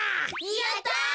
やった！